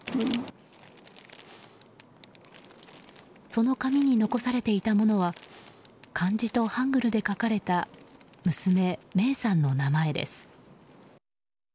その紙に残されていたものは漢字とハングルで書かれた娘・芽生さんの名前です。